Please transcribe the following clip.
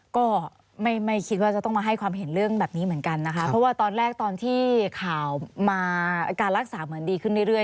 ก็ไม่คิดว่าจะต้องมาให้ความเห็นเรื่องแบบนี้เหมือนกันนะคะเพราะว่าตอนแรกตอนที่ข่าวมาการรักษาเหมือนดีขึ้นเรื่อย